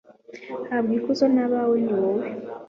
habwa ikuzo n'abawe, ni wowe